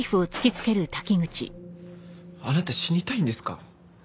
あなた死にたいんですか？